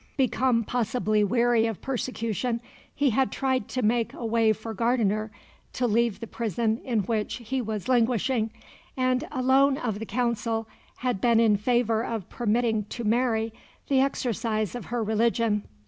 Become possibly weary of persecution, he had tried to make a way for Gardiner to leave the prison in which he was languishing, and, alone of the Council, had been in favour of permitting to Mary the exercise of her religion.